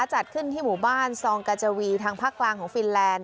จัดขึ้นที่หมู่บ้านซองกาจาวีทางภาคกลางของฟินแลนด